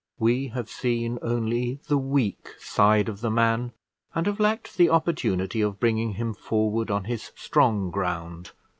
We have seen only the weak side of the man, and have lacked the opportunity of bringing him forward on his strong ground.